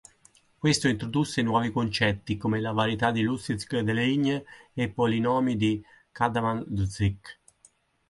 Questo introdusse nuovi concetti, come la varietà di Lusztig-Deligne e i polinomi di Kazhdan–Lusztig.